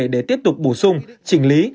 để tiếp tục bổ sung chỉnh lý